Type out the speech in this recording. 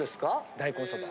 大根そば。